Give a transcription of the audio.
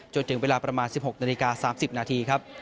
จนถึงเวลาประมาณ๑๖นาฬิกา๓๐นาทีครับ